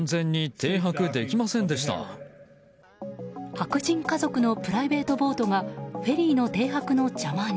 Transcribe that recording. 白人家族のプライベートボートがフェリーの停泊の邪魔に。